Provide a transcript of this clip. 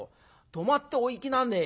泊まっておいきなね。